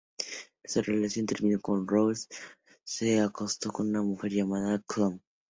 Su relación terminó cuando Ross se acostó con una mujer llamada Chloe.